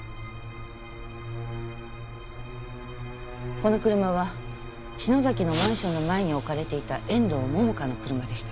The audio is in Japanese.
この車は篠崎のマンションの前に置かれていた遠藤桃花の車でした。